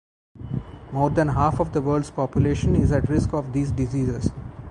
More than half of the world's population is at risk of these diseases.